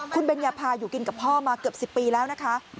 คุณเบญญาภาอยู่กินกับพ่อมาเกือบ๑๐ปีแล้วนะคะ